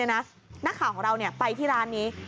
นักข่าวของเราไปที่ร้านนี้